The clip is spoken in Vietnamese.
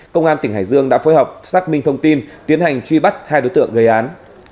công an tỉnh hải dương đã phối hợp xác minh thông tin tiến hành truy bắt hai đối tượng gây án